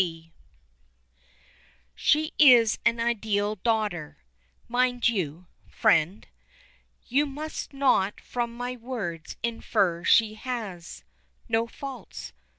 Eve She is an ideal daughter mind you, friend, You must not from my words infer she has No faults.